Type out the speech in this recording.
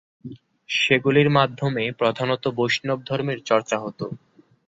সেগুলির মাধ্যমে প্রধানত বৈষ্ণবধর্মের চর্চা হতো।